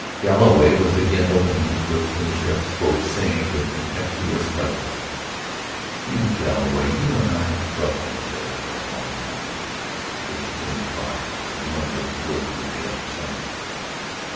Galloway was again opening his lips when the sheriff spoke, saying with contemptuous lightness: "Jim Galloway, you and I have bucked each other for a long time. I guess it's in the cards that one of us will get the other some day.